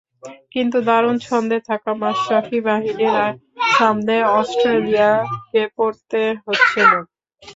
কিন্তু দারুণ ছন্দে থাকা মাশরাফি বাহিনীর সামনে অস্ট্রেলিয়াকে পড়তে হচ্ছে না।